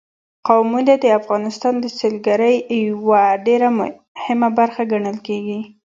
قومونه د افغانستان د سیلګرۍ یوه ډېره مهمه برخه ګڼل کېږي.